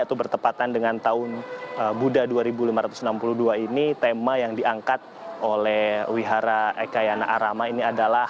atau bertepatan dengan tahun buddha dua ribu lima ratus enam puluh dua ini tema yang diangkat oleh wihara ekayana arama ini adalah